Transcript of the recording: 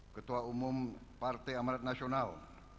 ketua umum partai amarat nasional